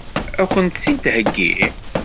Ad kent-tt-id-theggi?